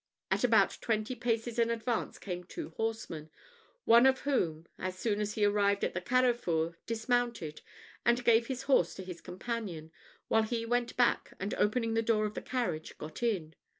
At about twenty paces in advance came two horsemen, one of whom, as soon as he arrived at the carrefour, dismounted, and gave his horse to his companion, while he went back, and opening the door of the carriage, got in.